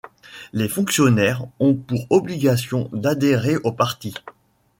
Les fonctionnaires ont pour obligation d’adhérer au parti.